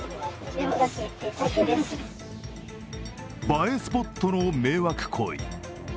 映えスポットの迷惑行為。